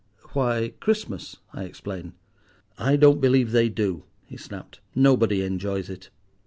"Why, Christmas," I explained. "I don't believe they do," he snapped; "nobody enjoys it.